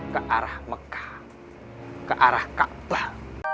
ke arah mekah ke arah kaabah